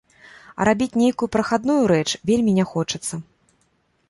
А рабіць нейкую прахадную рэч вельмі не хочацца.